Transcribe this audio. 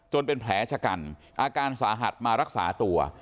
เป็นแผลชะกันอาการสาหัสมารักษาตัว